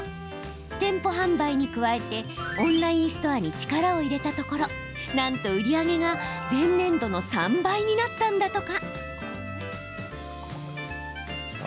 店舗販売に加えてオンラインストアに力を入れたところなんと売り上げが前年度の３倍になったんだとか。